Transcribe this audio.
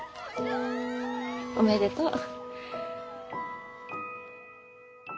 おめでとう。